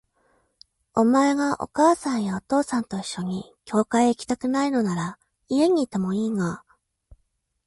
お前がお母さんやお父さんと一緒に教会へ行きたくないのなら、家にいてもいいが、